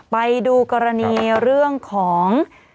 ไปดูกรณีเรื่องของ